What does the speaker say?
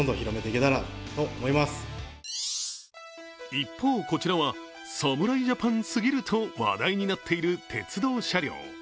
一方、こちらは侍ジャパンすぎると話題になっている鉄道車両。